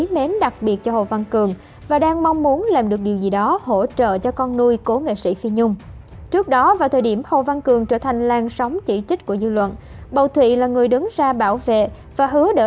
hẹn gặp lại trong những chương trình lần sau